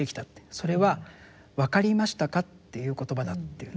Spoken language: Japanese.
それは「わかりましたか？」っていう言葉だって言うんですよ。